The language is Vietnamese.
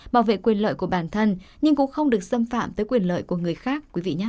bảo vệ quyền lợi của bản thân nhưng cũng không được xâm phạm tới quyền lợi của người khác